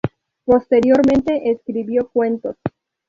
Posteriormente escribió cuentos.